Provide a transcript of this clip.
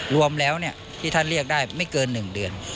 รวมแล้วที่ท่านเรียกได้ไม่เกิน๑เดือน